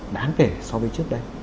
đáng kể so với trước đây